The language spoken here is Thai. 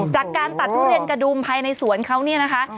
จากการตัดทุเรียนกระดุมภายในสวนเขาเนี่ยนะคะ